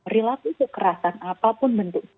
relatif kekerasan apapun bentuk